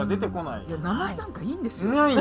いや名前なんかいいんですよ。